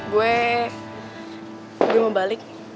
gue gue mau balik